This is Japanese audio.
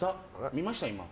見ました？